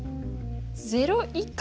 ０以下？